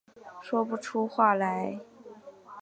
说不出话来